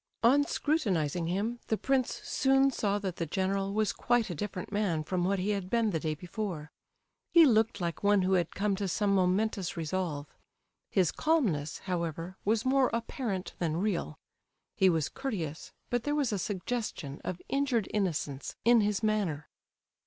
On scrutinizing him, the prince soon saw that the general was quite a different man from what he had been the day before; he looked like one who had come to some momentous resolve. His calmness, however, was more apparent than real. He was courteous, but there was a suggestion of injured innocence in his manner.